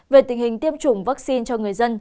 về tình hình tiêm chủng vaccine cho người dân